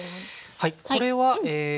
はい。